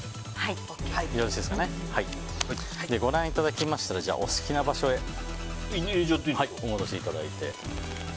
ご覧いただきましたらお好きな場所へお戻しいただいて。